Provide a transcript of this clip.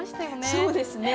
そうですね。